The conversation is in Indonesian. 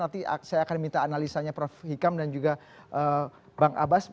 nanti saya akan minta analisanya prof hikam dan juga bang abbas